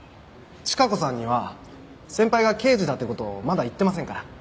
チカ子さんには先輩が刑事だって事まだ言ってませんから。